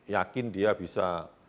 yakin dia bisa